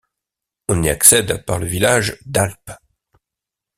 On y accède par le village d'Alp.